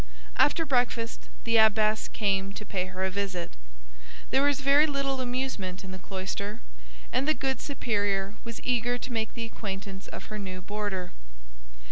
After breakfast, the abbess came to pay her a visit. There is very little amusement in the cloister, and the good superior was eager to make the acquaintance of her new boarder.